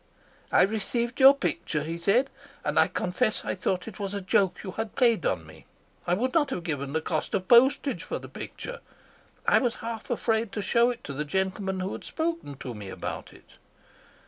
'I received your picture,' he said, 'and I confess I thought it was a joke that you had played on me. I would not have given the cost of postage for the picture. I was half afraid to show it to the gentleman who had spoken to me about it.